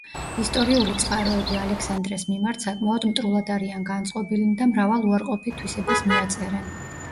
ისტორიული წყაროები ალექსანდრეს მიმართ საკმაოდ მტრულად არიან განწყობილნი და მრავალ უარყოფით თვისებას მიაწერენ.